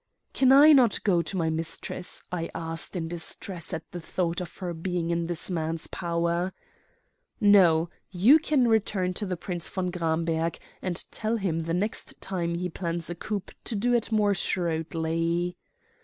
"'Can I not go to my mistress?' I asked, in distress at the thought of her being in this man's power. "'No, you can return to the Prince von Gramberg, and tell him the next time he plans a coup to do it more shrewdly.'